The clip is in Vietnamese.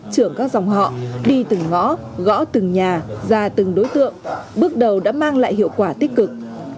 trưởng các dòng họ đi từng ngõ gõ từng nhà ra từng đối tượng bước đầu đã mang lại hiệu quả tích cực